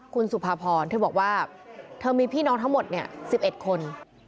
คุณสุภาพรเธอบอกว่าเธอมีพี่น้องทั้งหมด๑๑คน